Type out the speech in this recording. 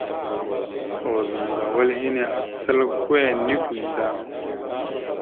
Ozum ga wal henne acal kwa enekweŋ da.